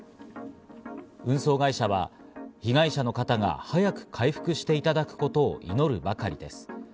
運送会社は、被害者の方が早く回復していただくことを祈るばかりです。